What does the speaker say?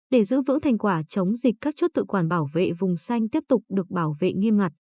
để giữ vững thành quả chống dịch các chốt tự quản bảo vệ vùng xanh tiếp tục được bảo vệ nghiêm ngặt